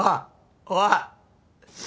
おい。